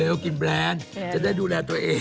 เรากินแบรนด์จะได้ดูแลตัวเอง